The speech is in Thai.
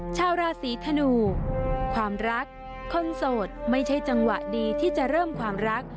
ชาวราศีธนูความรักคนโสดไม่ใช่จังหวะดีที่จะเริ่มความรัก